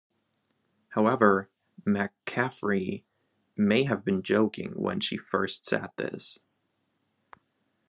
However, McCaffrey may have been joking when she first said this.